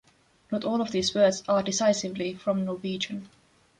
Not all of these words are decisively from Norwegian.